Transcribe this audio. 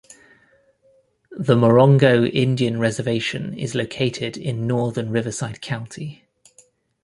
The Morongo Indian Reservation is located in northern Riverside County.